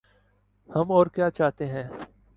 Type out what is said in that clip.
ہم اور کیا چاہتے ہیں۔